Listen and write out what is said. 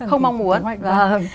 không mong muốn